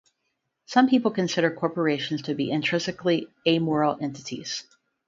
Some people consider corporations to be intrinsically amoral entities.